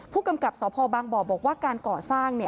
ผู้กำกับสพบางบ่อบอกว่าการก่อสร้าง